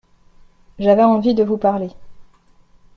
J’avais envie de vous parler.